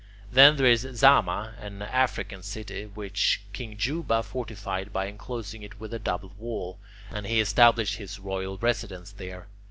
Then there is Zama, an African city, which King Juba fortified by enclosing it with a double wall, and he established his royal residence there.